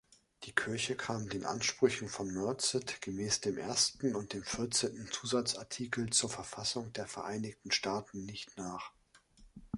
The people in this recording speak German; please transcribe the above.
Die Kirche kam den Ansprüchen von Merced gemäß dem Ersten und dem Vierzehnten Zusatzartikel zur Verfassung der Vereinigten Staaten nicht nach.